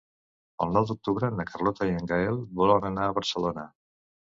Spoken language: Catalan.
El nou d'octubre na Carlota i en Gaël volen anar a Barcelona.